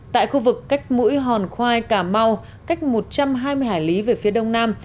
tại khu vực cách mũi hòn khoai cà mau cách một trăm hai mươi hải lý về phía đông nam